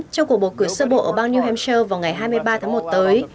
trong cuộc bầu cử sơ bộ ở bang new hamcher vào ngày hai mươi ba tháng một tới